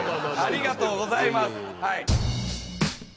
ありがとうございます。